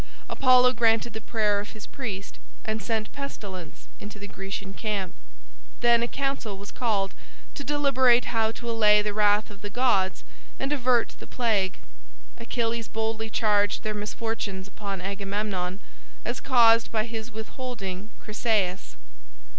Apollo granted the prayer of his priest, and sent pestilence into the Grecian camp. Then a council was called to deliberate how to allay the wrath of the gods and avert the plague. Achilles boldly charged their misfortunes upon Agamemnon as caused by his withholding Chryseis.